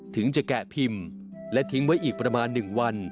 ถึงจะแกะพิมพ์และทิ้งไว้อีกประมาณ๑วัน